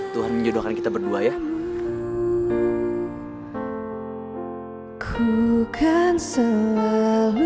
tuhan menjodohkan kita berdua ya